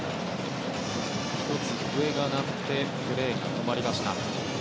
１つ笛が鳴ってプレーが止まりました。